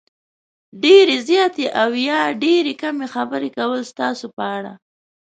ډېرې زیاتې او یا ډېرې کمې خبرې کول ستاسې په اړه